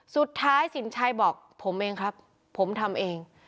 สุดท้ายสินชัยบอกผมเองครับผมทำเอง